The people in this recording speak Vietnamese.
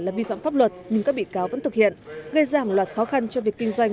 là vi phạm pháp luật nhưng các bị cáo vẫn thực hiện gây ra hàng loạt khó khăn cho việc kinh doanh